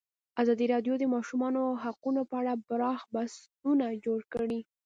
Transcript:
ازادي راډیو د د ماشومانو حقونه په اړه پراخ بحثونه جوړ کړي.